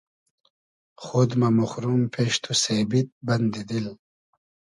خۉد مۂ موخروم پیش تو سېبید بئندی دیل